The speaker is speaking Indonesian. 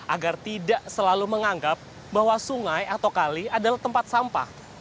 agar tidak selalu menganggap bahwa sungai atau kali adalah tempat sampah